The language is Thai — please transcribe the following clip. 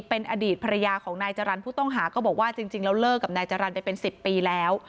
เป็นอดีตภรรยาของนายจรรย์ผู้ต้องหาก็บอกว่าจริงแล้วเลิกกับนายจรรย์ไปเป็น๑๐ปีแล้ว